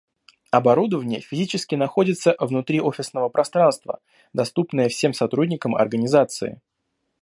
Оборудование физически находится внутри офисного пространства, доступное всем сотрудникам организации